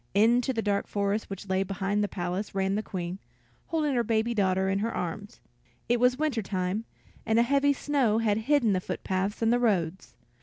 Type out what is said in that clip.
Into the dark forest which lay behind the palace ran the Queen, holding her baby daughter in her arms. It was winter time, and a heavy snow had hidden the foot paths and the roads.